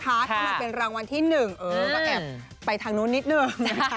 ถ้ามาเป็นรางวัลที่๑เออก็แอบไปทางนู้นนิดหนึ่ง